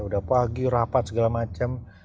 udah pagi rapat segala macam